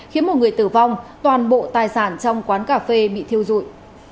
khiến một người tử vong toàn bộ tài sản trong quán cà phê bị thiêu dụi